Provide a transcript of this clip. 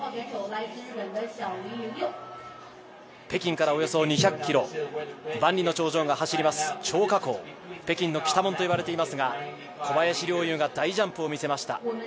北京からおよそ２００ｋｍ、万里の長城が走る張家口北京の北門と言われていますが、小林陵侑が大ジャンプを見せました。